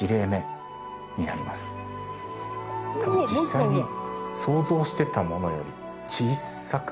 実際に想像してたものより小さくないですか？